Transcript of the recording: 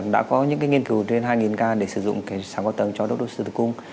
đã có những nghiên cứu trên hai ca để sử dụng cái sóng cao tầng cho đốt u sơ tử cung